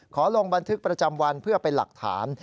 ลงบันทึกประจำวันเพื่อเป็นหลักฐาน